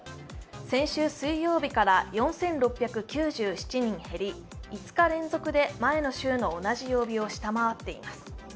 先週水曜日から４６９７人減り５日連続で前の週の同じ曜日を下回っています。